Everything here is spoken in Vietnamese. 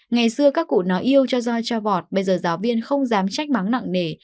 ngày xưa các cụ nói yêu cho doi cho vọt bây giờ giáo viên không dám trách máu nặng nề